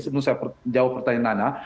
sebelum saya jawab pertanyaan nana